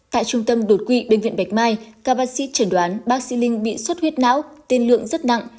tại trung tâm đột quỵ bệnh viện bạch mai ca bác sĩ chẳng đoán bác sĩ linh bị suất huyết não tên lượng rất nặng